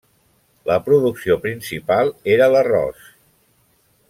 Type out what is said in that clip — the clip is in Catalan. La producció principal era arròs.